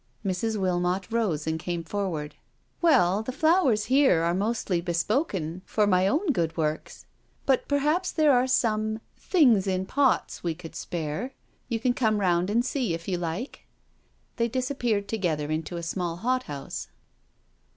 Mrs. Wilmot rose and came forward. " Well, the flowers here are mostly bespoken for my i68 NO SURRENDER own good works. But perhaps there are some ' things in pots ' we could spare. You can come round and see> if you like.*' They disappeared together into a small hot house.